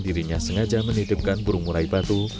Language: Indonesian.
sehingga sengaja menidupkan burung meraih batu